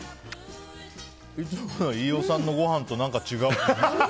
いつもの飯尾さんのごはんと何か違う。